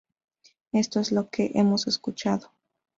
Esto es lo que hemos escuchado.